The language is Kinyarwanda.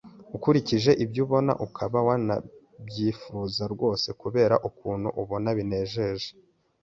ukurikije ibyo ubona ukaba wanabyifuza rwose kubera ukuntu ubona binejeje,